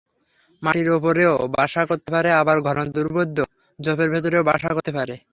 মাটির ওপরেও বাসা করতে পারে, আবার ঘন-দুর্ভেদ্য ঝোপের ভেতরেও বাসা করতে পারে।